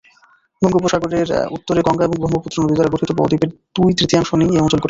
বঙ্গোপসাগরের উত্তরে গঙ্গা এবং ব্রহ্মপুত্র নদী দ্বারা গঠিত বদ্বীপের দুই-তৃতীয়াংশ নিয়ে এই অঞ্চল গঠিত।